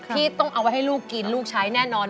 ที่ต้องเอาไว้ให้ลูกกินลูกใช้แน่นอน